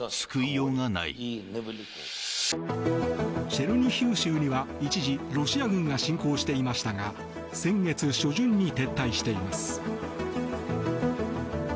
チェルニヒウ州には一時ロシア軍が侵攻していましたが先月初旬に撤退しています。